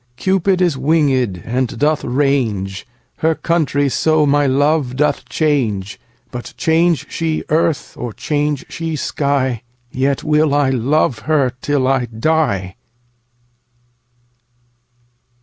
Cupid is wingèd and doth range, Her country so my love doth change: 10 But change she earth, or change she sky, Yet will I love her till I die.